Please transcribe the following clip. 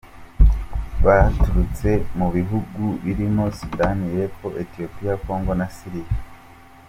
Baturutse mu bihugu birimo Sudani y’Epfo, Etiyopiya, Congo na Siriya.